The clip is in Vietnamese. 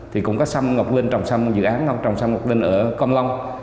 thì cũng có xăm ngọc linh trồng xăm dự án không trồng xăm ngọc linh ở công long